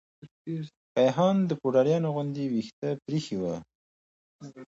کيهان د پوډريانو غوندې ويښته پريخي وه.